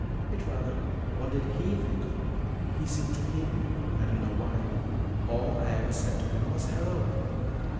"It's rather what did he think of me. He seemed to hate me. I don't know why. All I ever said to him was 'Hello.'"